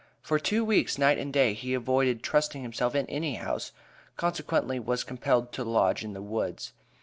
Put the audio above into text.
For two weeks, night and day, he avoided trusting himself in any house, consequently was compelled to lodge in the woods.